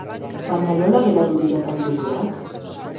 Baina nola geratu dira kaltetuak?